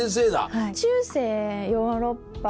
はい。